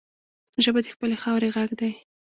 ژبه د خپلې خاورې غږ دی